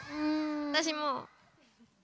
私も。